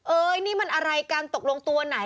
นี่มันอะไรกันตกลงตัวไหน